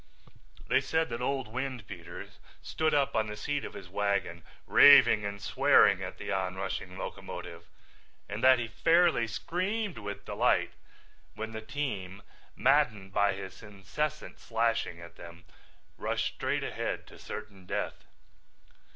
They said that old Windpeter stood up on the seat of his wagon, raving and swearing at the onrushing locomotive, and that he fairly screamed with delight when the team, maddened by his incessant slashing at them, rushed straight ahead to certain death.